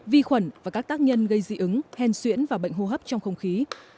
vi khuẩn và các tác nhân gây dị ứng hen xuyễn và bệnh hô hấp trong không khí